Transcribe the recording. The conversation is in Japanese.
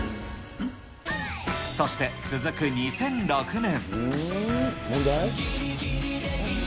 そして続く２００６年。